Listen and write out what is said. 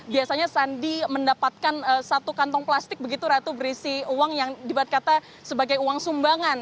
biasanya sandi mendapatkan satu kantong plastik begitu ratu berisi uang yang dibuat kata sebagai uang sumbangan